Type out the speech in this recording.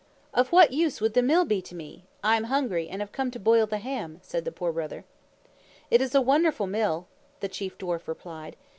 "Of what use would the Mill be to me? I am hungry and have come to boil the ham," said the Poor Brother. "It is a wonderful Mill," the Chief Dwarf replied.